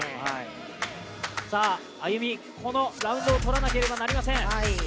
さあＡｙｕｍｉ、このラウンドを取らなければなりません。